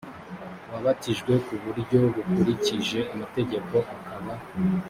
wabatijwe ku buryo bukurikije amategeko akaba